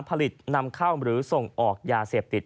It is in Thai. นำเข้าหรือส่งออกยาเสพติด